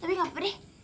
tapi nggak apa deh